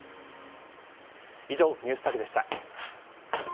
以上、ＮｅｗｓＴａｇでした。